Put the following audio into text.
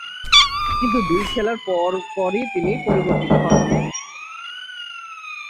কিন্তু দুই খেলার পরপরই তিনি পরিবর্তিত হন।